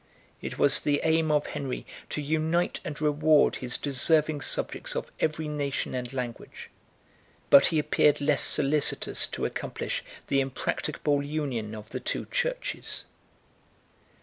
It was the aim of Henry to unite and reward his deserving subjects, of every nation and language; but he appeared less solicitous to accomplish the impracticable union of the two churches.